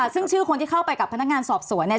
ซึ่งชื่อคนที่เข้าไปกับพนักงานสอบสวนเนี่ย